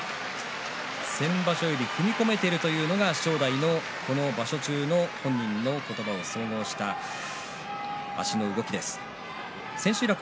先場所より踏み込めているというのが正代のこの場所中の本人の言葉、足の動きです。